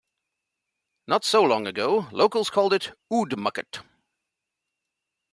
Not so long ago locals called it Oodmucket.